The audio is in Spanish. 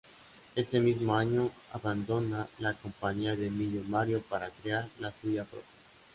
Ese mismo año, abandona la compañía de Emilio Mario para crear la suya propia.